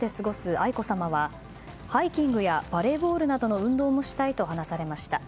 愛子さまはハイキングやバレーボールなどの運動もしたいと話されました。